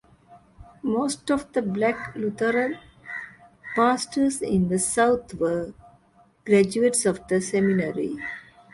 Most of the Black Lutheran pastors in the South were graduates of the seminary.